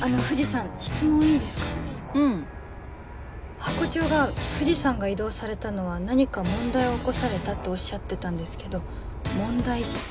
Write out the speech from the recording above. ハコ長が藤さんが異動されたのは何か問題を起こされたっておっしゃってたんですけど問題って。